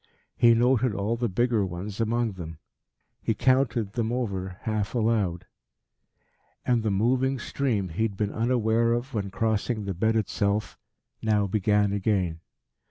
He noted all the bigger ones among them. He counted them over half aloud. And the moving stream he had been unaware of when crossing the bed itself, now began again.